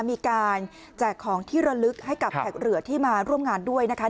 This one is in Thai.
มีการแจกของที่ระลึกให้กับแขกเหลือที่มาร่วมงานด้วยนะคะ